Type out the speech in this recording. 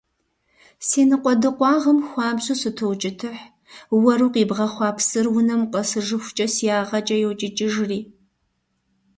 Си ныкъуэдыкъуагъым хуабжьу сытоукӀытыхь, уэру къибгъэхъуа псыр унэм укъэсыжыхукӀэ си ягъэкӀэ йокӀыкӀыжри.